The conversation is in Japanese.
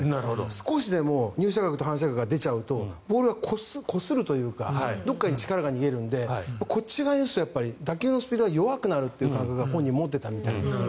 少しでも入射角と反射角が出ちゃうとボールをこするというかどこかに力が逃げるのでこっち側に打つと打球スピードが弱くなると本人は思っていたみたいです。